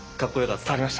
伝わりました？